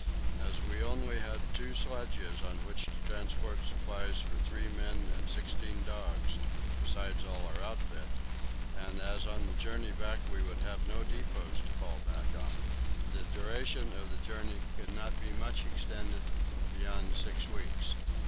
As we only had two sledges on which to transport supplies for three men and sixteen dogs, besides all our outfit, and as on our trip we should have no depots to fall back on, the duration of the journey could not be extended much beyond six weeks.